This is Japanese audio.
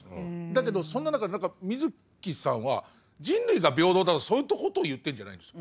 だけどそんな中何か水木さんは人類が平等だとそういったことを言ってるんじゃないんです。